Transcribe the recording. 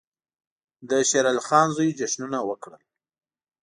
د شېر علي خان زوی جشنونه وکړل.